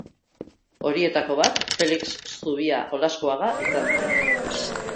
Horietako bat Felix Zubia Olaskoaga izan zen.